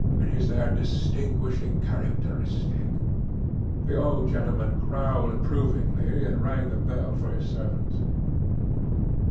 It is their distinguishing characteristic." The old gentleman growled approvingly and rang the bell for his servant.